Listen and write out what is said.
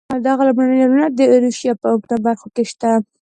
دغه لومړني ډولونه د ایروشیا په عمده برخو کې شته.